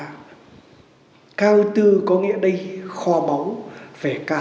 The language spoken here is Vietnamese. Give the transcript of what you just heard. cho cái làng có nghĩa đây kho báu về ca